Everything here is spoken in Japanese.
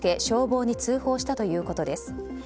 消防に通報したということです。